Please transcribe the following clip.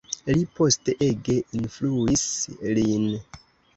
Li poste ege influis lin.